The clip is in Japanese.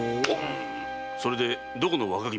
それでどこの若君なんだ？